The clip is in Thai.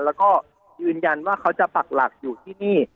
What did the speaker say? แล้วก็ยืนยันว่าเขาจะปักหลักอยู่ที่นี่